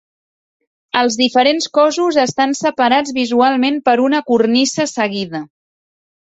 Els diferents cossos estan separats visualment per una cornisa seguida.